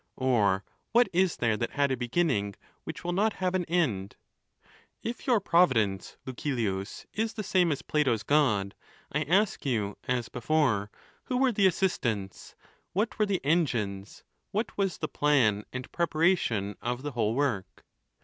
Or what is there that had a beginning which will not have an end? If your Providence, Lucilius, is the same fis Plato's God, I ask you, as before, who were the at^sistants, what were the engines, what was the plan and preparation of the whole work